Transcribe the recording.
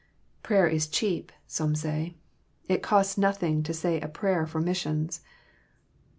"Prayer is cheap," some say, "it costs nothing to say a prayer for missions."